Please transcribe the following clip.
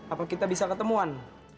apa kita bisa ketemuan